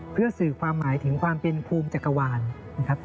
เพื่อสื่อความหมายถึงความเป็นภูมิจักรวาลนะครับ